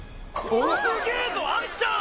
すげえぞあんちゃん！